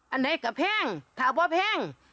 อันไหนก็แพงถ้าแพง